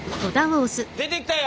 出てきたよ！